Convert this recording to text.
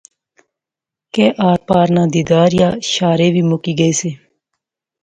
کہ آر پار ناں دیدار یا شارے وی مکی گئے سے